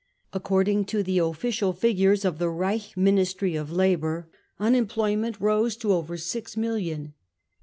According to the official figures of the Reich Ministry of Labour, unemploy ment rose to over six million.